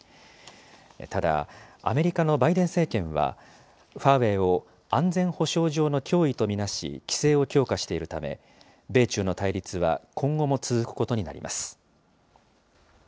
ただ、アメリカのバイデン政権は、ファーウェイを安全保障上の脅威と見なし、規制を強化しているため、米中の対立は今後も続くことになります。